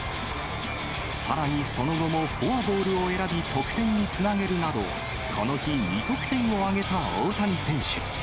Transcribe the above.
さらにその後もフォアボールを選び得点につなげるなど、この日２得点を挙げた大谷選手。